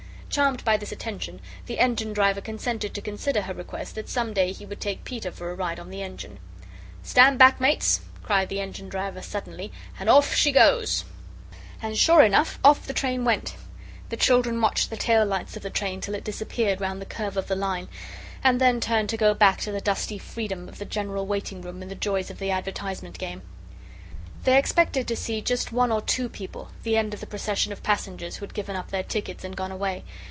Charmed by this attention, the engine driver consented to consider her request that some day he would take Peter for a ride on the engine. "Stand back, Mates," cried the engine driver, suddenly, "and horf she goes." And sure enough, off the train went. The children watched the tail lights of the train till it disappeared round the curve of the line, and then turned to go back to the dusty freedom of the General Waiting Room and the joys of the advertisement game. They expected to see just one or two people, the end of the procession of passengers who had given up their tickets and gone away.